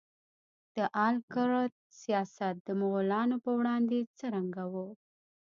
د آل کرت سیاست د مغولانو په وړاندې څرنګه و؟